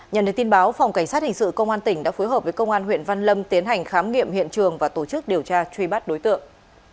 nhận được tin báo phòng cảnh sát hình sự công an tỉnh đã phối hợp với công an huyện văn lâm tiến hành khám nghiệm hiện trường và tổ chức điều tra truy bắt đối tượng